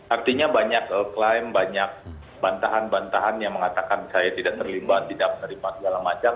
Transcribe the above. artinya banyak klaim banyak bantahan bantahan yang mengatakan saya tidak terlibat tidak menerima segala macam